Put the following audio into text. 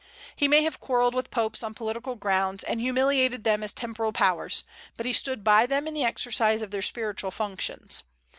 He may have quarrelled with popes on political grounds, and humiliated them as temporal powers, but he stood by them in the exercise of their spiritual functions.